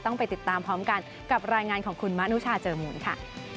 ไปติดตามพร้อมกันกับรายงานของคุณมะนุชาเจอมูลค่ะ